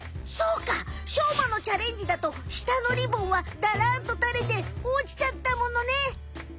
しょうまのチャレンジだと舌のリボンはダランとたれておちちゃったものね。